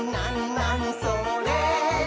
なにそれ？」